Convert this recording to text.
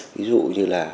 ví dụ như là